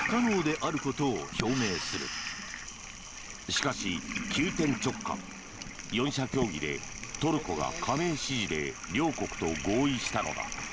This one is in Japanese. しかし、急転直下４者協議でトルコが加盟支持で両国と合意したのだ。